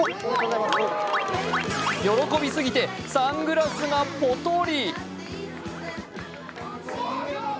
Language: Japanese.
喜びすぎてサングラスがぽとり。